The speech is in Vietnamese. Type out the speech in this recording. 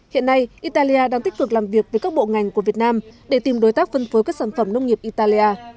hiện nay italia đang tích cực làm việc với các bộ ngành của việt nam để tìm đối tác phân phối các sản phẩm nông nghiệp italia